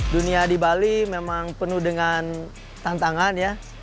dunia di bali memang penuh dengan tantangan ya